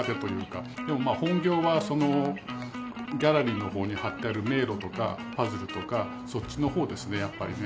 でも本業はそのギャラリーの方に貼ってある迷路とかパズルとかそっちの方ですねやっぱりね。